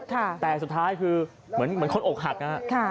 แต่สุดท้ายคือเหมือนคนอกหักนะฮะ